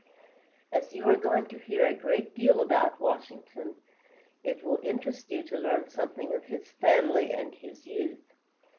As you are going to hear a great deal about Washington, it will interest you to learn something of his family and his youth.